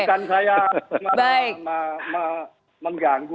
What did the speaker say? bukan saya mengganggu